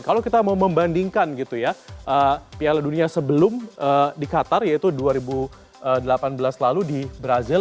kalau kita mau membandingkan gitu ya piala dunia sebelum di qatar yaitu dua ribu delapan belas lalu di brazil